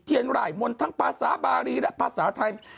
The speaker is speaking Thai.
เทียนไหล่มนตร์ทั้งภาษาบาลีและภาษาไทย